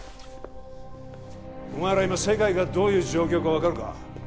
お前ら今世界がどういう状況か分かるか？